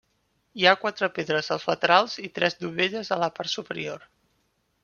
Hi ha quatre pedres als laterals i tres dovelles a la part superior.